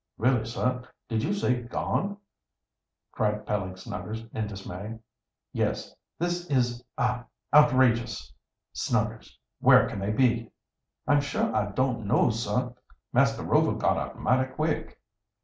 "Really, sir, did you say 'gone'?" cried Peleg Snuggers, in dismay. "Yes. This is ah outrageous, Snuggers. Where can they be?" "I'm sure I don't know, sir. Master Rover got out mighty quick."